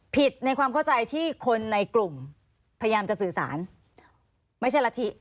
ในความเข้าใจที่คนในกลุ่มพยายามจะสื่อสารไม่ใช่รัฐธิ